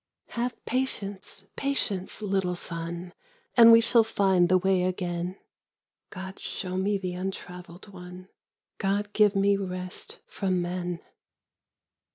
" Have patience, patience, little son, And we shall find the way again. (God show me the untraveled one! God give me rest from men